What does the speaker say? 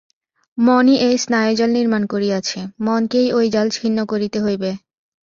মনই এই স্নায়ুজাল নির্মাণ করিয়াছে, মনকেই ঐ জাল ছিন্ন করিতে হইবে।